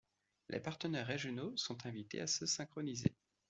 Les partenaires régionaux sont invités à se synchroniser.